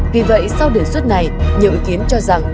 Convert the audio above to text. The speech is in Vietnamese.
vì vậy sau đề xuất này nhiều ý kiến cho rằng